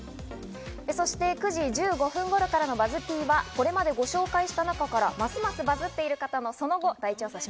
そして９時１５分頃からのＢＵＺＺ−Ｐはこれまでご紹介した中からますますバズっている方を大調査。